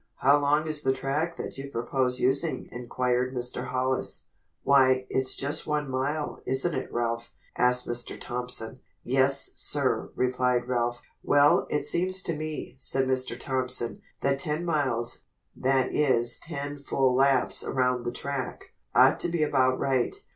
"How long is the track that you propose using?" inquired Mr. Hollis. "Why, it's just one mile, isn't it Ralph?" asked Mr. Thompson. "Yes, sir," replied Ralph. "Well, it seems to me," said Mr. Thompson, "that ten miles, that is ten full laps around the track, ought to be about right.